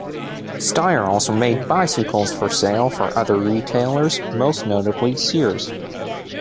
Steyr also made bicycles for sale for other retailers, most notably Sears.